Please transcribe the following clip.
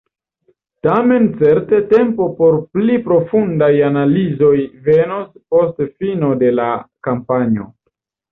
Tamen certe tempo por pli profundaj analizoj venos post fino de la kampanjo.